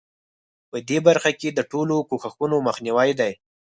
په دې برخه کې د ټولو کوښښونو مخنیوی دی.